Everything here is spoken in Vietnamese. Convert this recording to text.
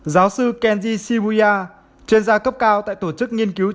giáo sư kenji shibuya chuyên gia cấp cao tại tổ chức nghiên cứu chính sách tokyo lưu ý